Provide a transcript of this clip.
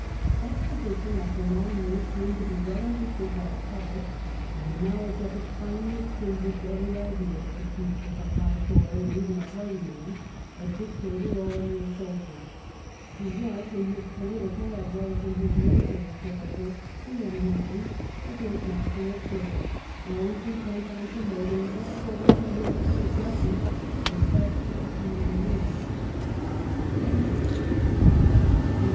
That position after long years came to be well understood by the public, and the knowledge of it finally extinguished every idea that the Duke was a High Tory, or even a party man, a dictator, or a mere soldier. He was, in his political, as well as in his military character, pre eminently a great national servant, always intent on promoting what according to his cool judgment was best for the common weaL CHAPTEE XI OLD AGE "